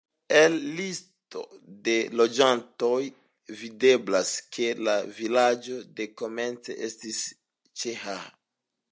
El listo de loĝantoj videblas, ke la vilaĝo dekomence estis ĉeĥa.